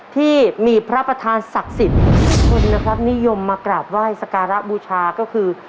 ที่มีพระประธานศักดิ์สิทธิ์ทุกคนนะครับนิยมมากราบไหว้สการะบูชาก็คือ